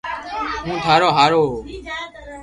ھون ٿارو ھارو